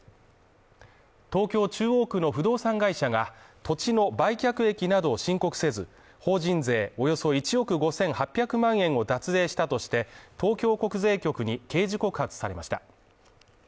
東京中央区の不動産会社が土地の売却益などを申告せず、法人税およそ１億５８００万円を脱税したとして、東京国税局に刑事告発されました。